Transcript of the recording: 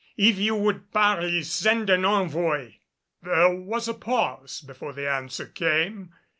If you would parley, send an envoy." There was a pause before the answer came.